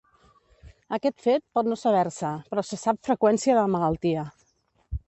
Aquest fet pot no saber-se, però se sap freqüència de malaltia.